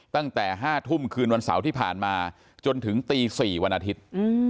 ตั้งแต่๕ทุ่มคืนวันเสาร์ที่ผ่านมาจนถึงตี๔วันอาทิตย์